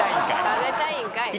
食べたいんかい。